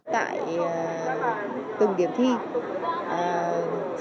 tại từng điểm thi